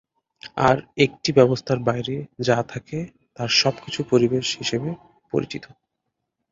আর একটি ব্যবস্থার বাইরে যা থাকে তার সব কিছু পরিবেশ হিসেবে পরিচিত।